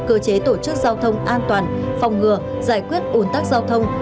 cơ chế tổ chức giao thông an toàn phòng ngừa giải quyết ủn tắc giao thông